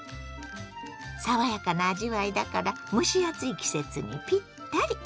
爽やかな味わいだから蒸し暑い季節にピッタリ。